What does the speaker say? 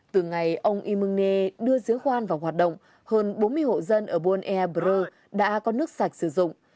từ ngày ông y mungne đưa giếng khoan vào hoạt động hơn bốn mươi hộ dân ở buôn e bro đã có nước sạch sử dụng